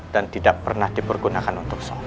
dan tidak pernah dipergunakan untuk sholat